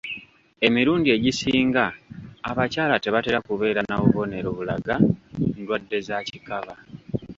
Emirundu egisinga abakyala tebatera kubeera na bubonero bulaga ndwadde za kikaba.